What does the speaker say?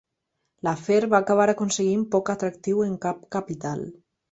L'afer va acabar aconseguint poc atractiu en cap capital.